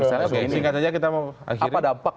singkat saja kita mau akhiri apa dampak